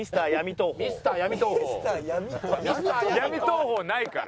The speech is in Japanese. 闇投法ないから。